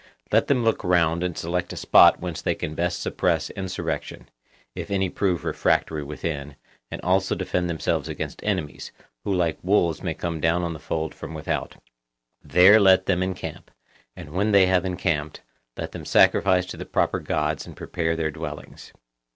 Let them look round and select a spot whence they can best suppress insurrection, if any prove refractory within, and also defend themselves against enemies, who like wolves may come down on the fold from without; there let them encamp, and when they have encamped, let them sacrifice to the proper Gods and prepare their dwellings.